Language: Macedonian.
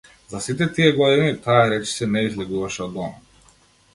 За сите тие години, таа речиси не излегуваше од дома.